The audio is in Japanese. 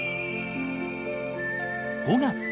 ５月。